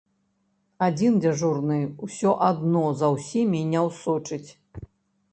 Адзін дзяжурны усё адно за ўсімі не ўсочыць.